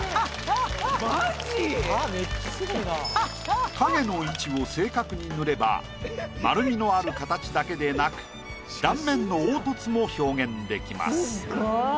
マジ⁉影の位置を正確に塗れば丸みのある形だけでなく断面の凹凸も表現できます。